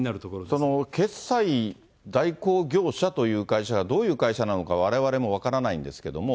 その決済代行業者という会社がどういう会社なのか、われわれも分からないんですけれども。